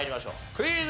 クイズ。